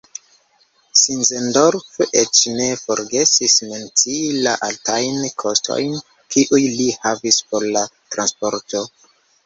Sinzendorf eĉ ne forgesis mencii la altajn kostojn kiujn li havis por la transporto.